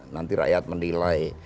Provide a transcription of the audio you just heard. nanti rakyat menilai